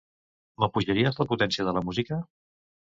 M'apujaries la potència de la música?